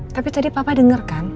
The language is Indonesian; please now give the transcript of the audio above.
tapi tadi papa denger kan